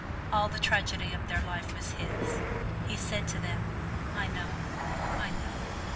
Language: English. All the tragedy of their life was his; he said to them, "I know, I know!"